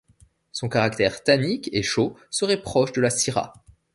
Son caractère tannique et chaud serait proche de la syrah.